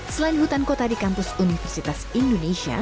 selain hutan kota di kampus universitas indonesia